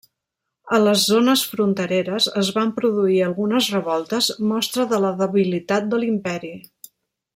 A les zones frontereres es van produir algunes revoltes, mostra de la debilitat de l'imperi.